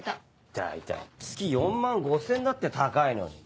大体月４万５０００円だって高いのに。